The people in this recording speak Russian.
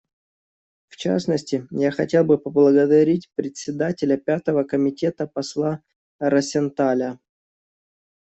В частности, я хотел бы поблагодарить Председателя Пятого комитета посла Росенталя.